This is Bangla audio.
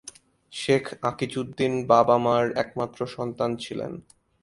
শেখ আকিজউদ্দীন বাবা-মার একমাত্র সন্তান ছিলেন।